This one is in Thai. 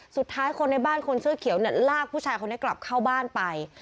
สุดท้ายคนในบ้านคนเสื้อเขียวเนี่ยลากผู้ชายคนนี้กลับเข้าบ้านไป